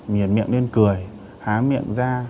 miền miệng lên cười há miệng ra